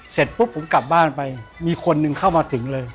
เสร็จปุ๊บผมกลับบ้านไปมีคนหนึ่งเข้ามาถึงเลย